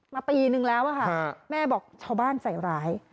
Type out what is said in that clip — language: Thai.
ปีนึงแล้วค่ะแม่บอกชาวบ้านใส่ร้าย